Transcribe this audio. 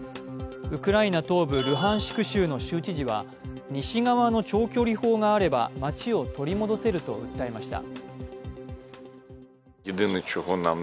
ウクライナ東部ルハンシク州の州知事は、西側の長距離砲があれば町を取り戻せると訴えました。